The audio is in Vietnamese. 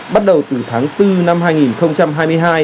bắt đầu từ tháng bốn năm hai nghìn hai mươi hai